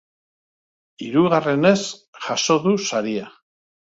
Hirugarrenez jaso du saria.